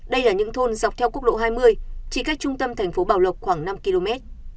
đây là những thôn dọc theo quốc lộ hai mươi chỉ cách trung tâm thành phố bảo lộc khoảng năm km